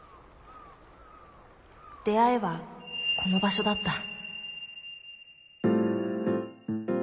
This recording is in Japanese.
出会いはこの場所だった。